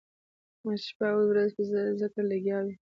احمد شپه او ورځ په ذکر لګیا وي.